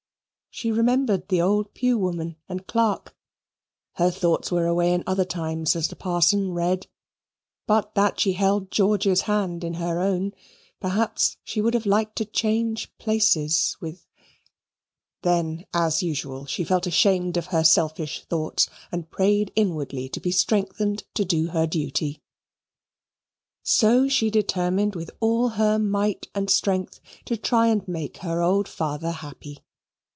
She remembered the old pew woman and clerk. Her thoughts were away in other times as the parson read. But that she held George's hand in her own, perhaps she would have liked to change places with.... Then, as usual, she felt ashamed of her selfish thoughts and prayed inwardly to be strengthened to do her duty. So she determined with all her might and strength to try and make her old father happy.